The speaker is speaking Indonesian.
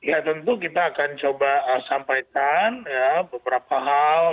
ya tentu kita akan coba sampaikan beberapa hal